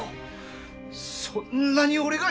そんなに俺が嫌か？